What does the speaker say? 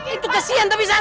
itu kasihan tapi san